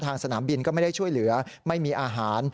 สนามบินก็ไม่ได้ช่วยเหลือไม่มีอาหาร